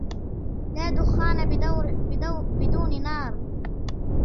لا دخان بدون نار.